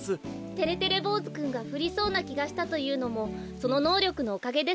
てれてれぼうずくんがふりそうなきがしたというのもそののうりょくのおかげですね。